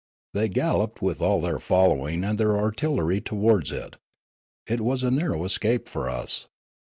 They galloped with all their following and their artillery towards it. It was a nar row escape for us.